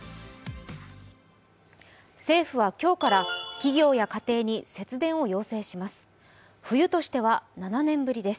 政府は今日から企業や家庭に節電を要請します。